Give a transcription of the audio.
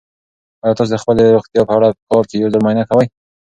آیا تاسو د خپلې روغتیا په اړه په کال کې یو ځل معاینه کوئ؟